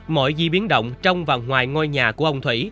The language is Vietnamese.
mọi di biến động trong và ngoài ngôi nhà của ông thủy